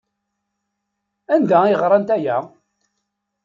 Anda ay ɣrant aya?